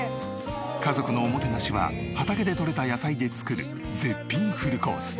家族のおもてなしは畑で採れた野菜で作る絶品フルコース。